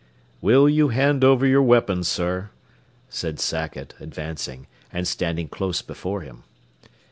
"Will you hand over your weapon, sir?" said Sackett, advancing, and standing close before him.